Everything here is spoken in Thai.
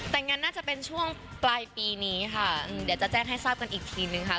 แต่งั้นน่าจะเป็นช่วงปลายปีนี้ค่ะเดี๋ยวจะแจ้งให้ทราบกันอีกทีนึงค่ะ